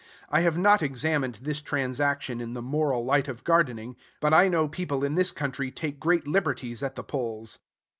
I have not examined this transaction in the moral light of gardening; but I know people in this country take great liberties at the polls.